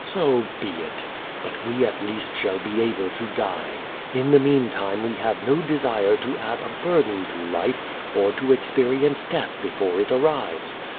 So be it! But we at least shall be able to die. In the meantime we have no desire to add a burden to life or to experience death before it arrives.